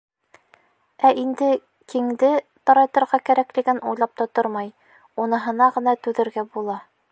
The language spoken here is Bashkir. Ә инде киңде тарайтырға кәрәклеген уйлап та тормай: уныһына ғына түҙергә була.